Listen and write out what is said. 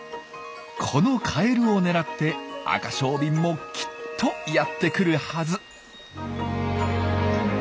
このカエルを狙ってアカショウビンもきっとやって来るはず。